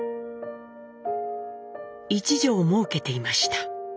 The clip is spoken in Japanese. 一女をもうけていました。